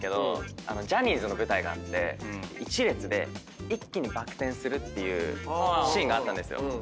ジャニーズの舞台があって１列で一気にバク転するシーンがあったんですよ。